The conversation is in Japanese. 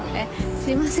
すいません。